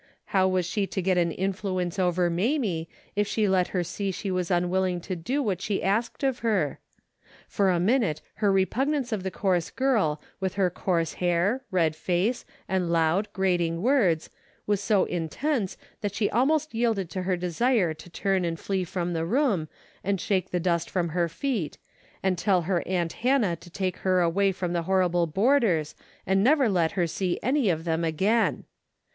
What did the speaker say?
How was she to get an influence over Mamie if she let her see she was unwilling to do what she asked of her ? For a minute her repugnance of the coarse girl, with her coarse hair, red face and loud, grating words was so intense that she al most yielded to her desire to turn and flee from the room and shake the dust from her feet, and tell her aunt Hannah to take her away from the horrible boarders and never let her see any of them again.